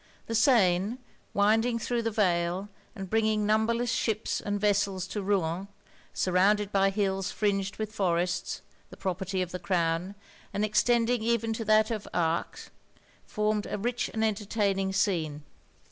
The Seine, winding thro' the vale and bringing numberless ships and vessels to Rouen, surrounded by hills fringed with forests, the property of the crown, and extending even to that of Arques, formed a rich and entertaining scene.